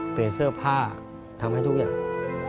เปลี่ยนเสื้อผ้าทำให้ทุกอย่าง